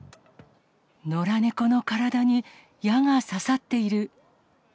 野良猫の体に矢が刺さっている。